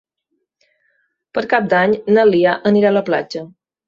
Per Cap d'Any na Lia anirà a la platja.